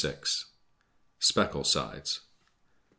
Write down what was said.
SPECKLESIDES.